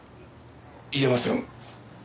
言えません。